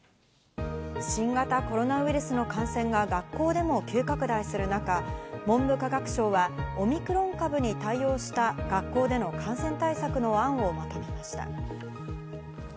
新型コロナウイルスの感染が学校でも急拡大する中、文部科学省はオミクロン株に対応した学校での感染対策の案をまとめました。